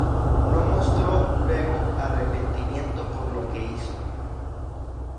No mostró luego arrepentimiento por lo que hizo.